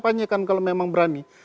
kampanyekan kalau memang berani